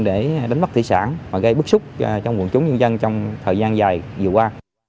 để đánh bắt thủy sản và gây bức xúc trong quần chúng nhân dân trong thời gian dài vừa qua